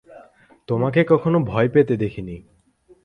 তোমাকে কখনও ভয় পেতে দেখিনি।